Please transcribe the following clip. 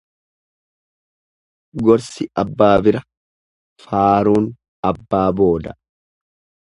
Gorsi abbaa bira, faaruun abbaa booda.